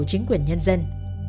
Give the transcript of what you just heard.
chính quyền nhân dân